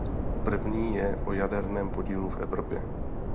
První je o jaderném podílu v Evropě.